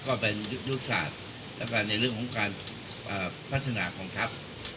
ก็เป็นยุทธศาสตร์แล้วก็ในเรื่องของการพัฒนากองทัพ